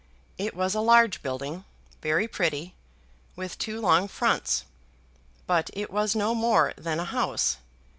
It was a large building, very pretty, with two long fronts; but it was no more than a house.